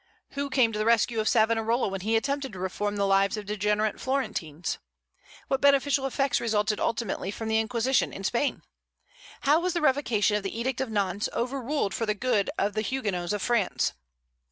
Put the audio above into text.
Who came to the rescue of Savonarola when he attempted to reform the lives of degenerate Florentines? What beneficial effects resulted ultimately from the Inquisition in Spain? How was the revocation of the edict of Nantes overruled for the good of the Huguenots of France?